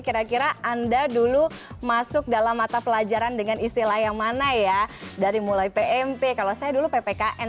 kira kira anda dulu masuk dalam mata pelajaran dengan istilah yang mana ya dari mulai pmp kalau saya dulu ppkm